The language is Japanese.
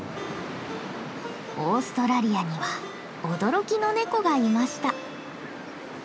オーストラリアには驚きのネコがいました。